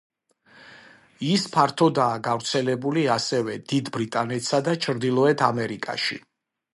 ის ფართოდაა გავრცელებული, ასევე, დიდ ბრიტანეთსა და ჩრდილოეთ ამერიკაში.